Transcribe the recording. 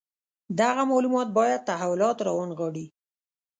دغه معلومات باید تحولات راونغاړي.